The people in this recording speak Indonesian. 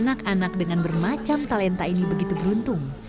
anak anak dengan bermacam talenta ini begitu beruntung